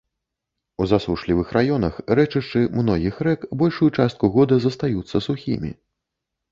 У засушлівых раёнах рэчышчы многіх рэк большую частку года застаюцца сухімі.